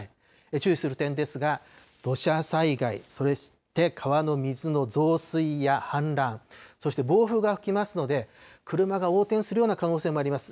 注意する点ですが、土砂災害、そして川の水の増水や氾濫、そして暴風が吹きますので、車が横転するような可能性もあります。